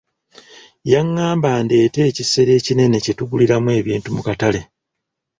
Yangamba ndeete ekisero ekinene kye tuguliramu ebintu mu katale.